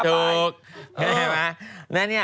เห็นไหม